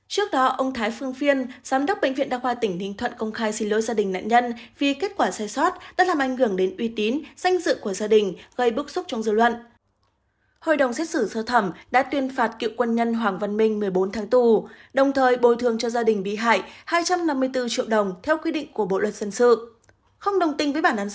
trước đó ông thái phương phiên giám đốc bệnh viện đa khoa tỉnh ninh thuận công khai xin lỗi gia đình nạn nhân vì kết quả sai sót đã làm ảnh hưởng đến uy tín danh dự của gia đình gây bức xúc trong dư luận